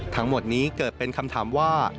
ทั้งหมดนี้เกิดเป็นคำถามว่า